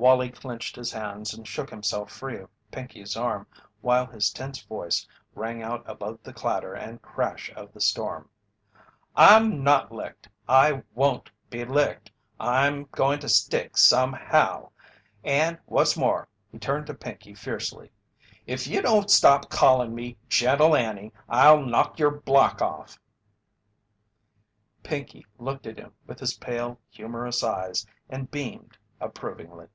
Wallie clenched his hands and shook himself free of Pinkey's arm while his tense voice rang out above the clatter and crash of the storm: "I'm not licked! I won't be licked! I'm going to stick, somehow! And what's more," he turned to Pinkey fiercely, "if you don't stop calling me 'Gentle Annie,' I'll knock your block off!" Pinkey looked at him with his pale, humorous eyes and beamed approvingly.